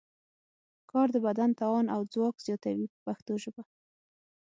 کار د بدن توان او ځواک زیاتوي په پښتو ژبه.